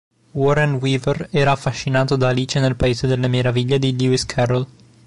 Warren Weaver era affascinato da Alice nel Paese delle Meraviglie di Lewis Carroll.